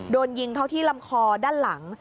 โดนยิงเข้าที่ลำคอด้านหลัง